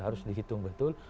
harus dihitung betul